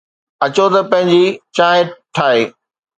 اچو ته پنهنجي چانهه ٺاهي.